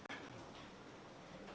itu mungkin juga enggak sih pak